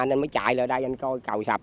anh mới chạy lên đây anh coi cầu sập